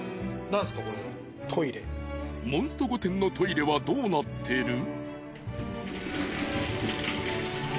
［モンスト御殿のトイレはどうなってる？］